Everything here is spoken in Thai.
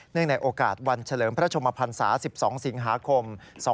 ในโอกาสวันเฉลิมพระชมพันศา๑๒สิงหาคม๒๕๖๒